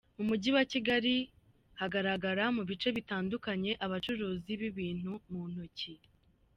Mu Mujyi wa Kigali hagaragara mu bice bitandukanye abacuruzi b’ibintu mu ntoki.